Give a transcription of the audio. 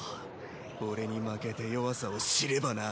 俺に負けて弱さを知ればな。